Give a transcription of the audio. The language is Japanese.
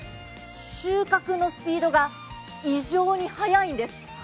収穫のスピードが異常に速いんです。